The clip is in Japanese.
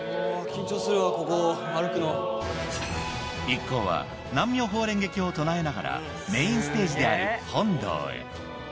緊張するわ、一行は、南無妙法蓮華経を唱えながら、メインステージである本堂へ。